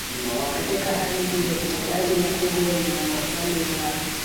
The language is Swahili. Katika hali hiyo, mtendaji mkuu huwa ni makamu wake.